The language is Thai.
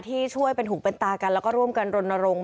ที่ช่วยเป็นหูเป็นตากันแล้วก็ร่วมกันรณรงค์